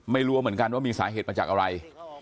ไม่รู้เหมือนกันว่ามีสาเหตุมาจากอะไร